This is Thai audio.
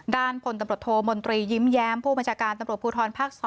ด้านพลตำรวจโทมนตรียิ้มแย้มผู้บัญชาการตำรวจภูทรภาค๒